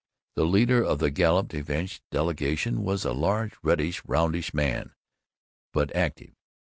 The leader of the Galop de Vache delegation was a large, reddish, roundish man, but active.